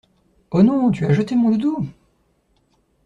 Ho non, tu as jeté mon doudou?!